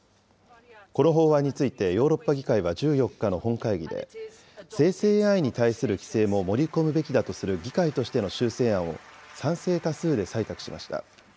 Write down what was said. この法案について、ヨーロッパ議会は１４日の本会議で、生成ＡＩに対する規制も盛り込むべきだとする議会としての修正案を、賛成多数で採択しました。